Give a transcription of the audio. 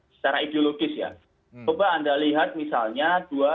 secara ideologis ya